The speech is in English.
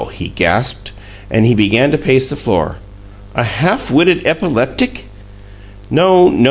he gasped. And he began to pace the floor. "A half witted epileptic!" "No, no!"